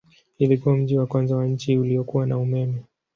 Ilikuwa mji wa kwanza wa nchi uliokuwa na umeme.